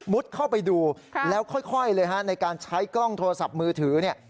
เข้าไปดูแล้วค่อยเลยฮะในการใช้กล้องโทรศัพท์มือถือเนี่ย